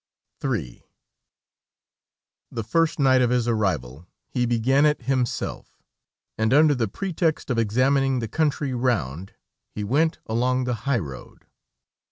III The first night of his arrival, he began it himself, and, under the pretext of examining the country round, he went along the high road.